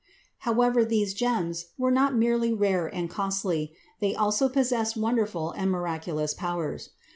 However these gems were not merely rare and costly; they also possessed wonderful and miraculous powers.